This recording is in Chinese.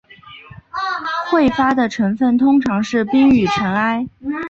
彗发的成分通常是冰与尘埃。